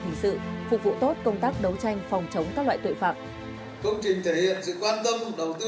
hình sự phục vụ tốt công tác đấu tranh phòng chống các loại tội phạm